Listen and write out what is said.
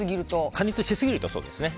加熱しすぎるとそうですね。